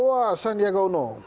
wah sandiaga uno